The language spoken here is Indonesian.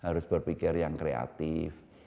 harus berpikir yang kreatif